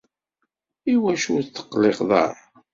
Iwacu ur teqqileḍ ara?